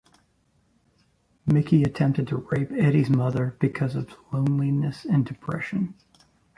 Mickey attempted to rape Eddie's mother because of loneliness and depression.